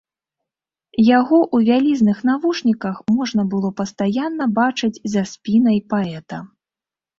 Яго ў вялізных навушніках можна было пастаянна бачыць за спінай паэта.